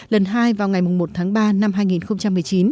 lần hai vào ngày một tháng ba năm hai nghìn một mươi chín